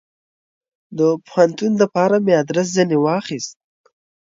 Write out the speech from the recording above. د پوهنتون دپاره مې ادرس ځني واخیست.